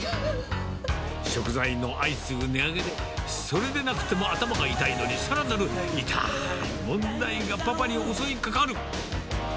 食材の相次ぐ値上げで、それでなくても頭が痛いのに、さらなる痛ーい問題がパパに襲いかかる。